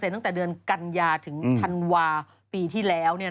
ตั้งแต่เดือนกันยาถึงธันวาปีที่แล้ว